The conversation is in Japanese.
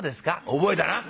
「覚えたな。